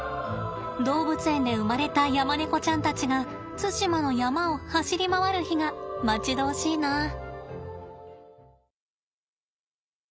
動物園で生まれたヤマネコちゃんたちが対馬の山を走り回る日が待ち遠しいな。